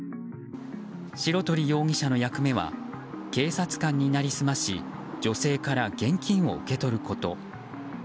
白鳥容疑者の役目は警察官になりすまし女性から現金を受け取ること。